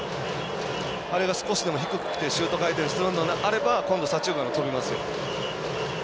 あれが少しでも低くてシュート回転するのであれば今度、左中間に飛びますよ。